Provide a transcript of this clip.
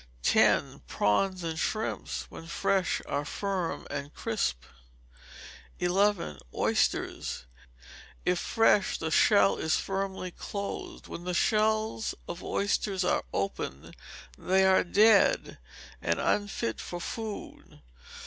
10. Prawns and Shrimps, when fresh, are firm and crisp. 11. Oysters. If fresh, the shell is firmly closed; when the shells of oysters are open, they are dead, and unfit for food.